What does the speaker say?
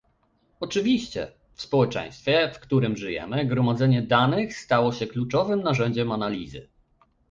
Oczywiście, w społeczeństwie, w którym żyjemy, gromadzenie danych stało się kluczowym narzędziem analizy